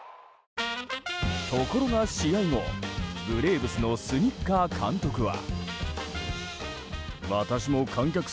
ところが試合後ブレーブスのスニッカー監督は。